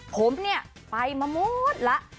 ผมไปมาหมดล่ะ